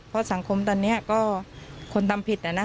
เพราะสังคมตอนนี้ก็คนทำผิดนะ